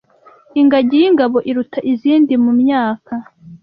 Ingagi y’ingabo iruta izindi mu myaka,